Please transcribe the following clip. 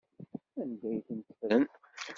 Anda ay tent-ffren?